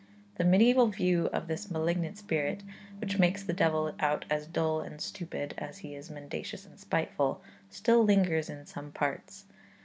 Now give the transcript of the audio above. The medieval view of this malignant spirit which makes the devil out as dull and stupid as he is mendacious and spiteful still lingers in some parts.